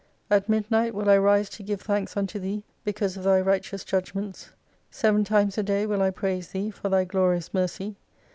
At midnight will I rise to give thanks unto Thee because of Thy righteous judgments. Seven times a day will I praise Thee, for Thy glorious mercy.